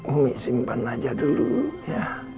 umi simpan aja dulu ya